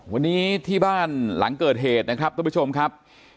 วันนี้ที่บ้านหลังเกิดเหตุนะครับทุกผู้ชมครับ